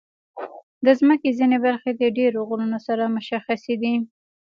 د مځکې ځینې برخې د ډېرو غرونو سره مشخصې دي.